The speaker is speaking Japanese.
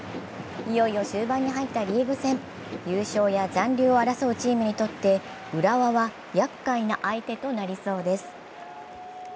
いよいよ終盤に入ったリーグ戦優勝や残留を争うチームにとって浦和は厄介な相手となりそうです。